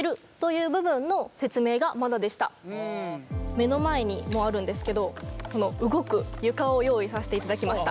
目の前にもうあるんですけどこの動く床を用意させていただきました。